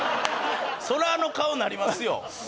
そらあの顔なりますよ。